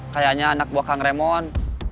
kayaknya anak buah kang remon